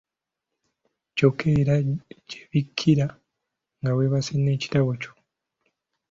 Kyokka era gye bikkira nga weebase n'ekitabo kyo.